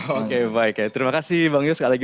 oke baik terima kasih bang yos sekali lagi